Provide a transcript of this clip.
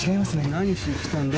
何しに来たんだ？